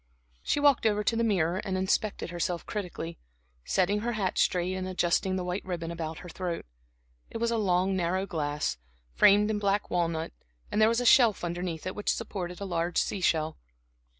She walked over to the mirror and inspected herself critically, setting her hat straight and adjusting the white ribbon about her throat. It was a long narrow glass, framed in black walnut, and there was a shelf underneath it, which supported a large sea shell.